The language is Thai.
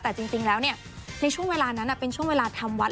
แต่จริงแล้วในช่วงเวลานั้นเป็นช่วงเวลาทำวัด